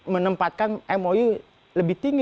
menempatkan mou lebih tinggi